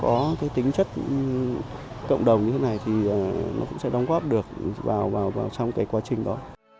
có cái tính chất cộng đồng như thế này thì nó cũng sẽ đóng góp được vào trong cái quá trình đó